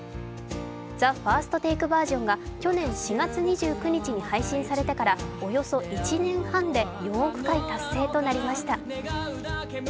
ＴＨＥＦＩＲＳＴＴＡＫＥｖｅｒが去年４月２９日に配信されてからおよそ１年半で４億回達成となりました。